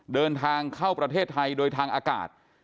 เดินทางเข้าประเทศไทยโดยทางอากาศ